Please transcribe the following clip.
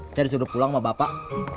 saya disuruh pulang sama bapak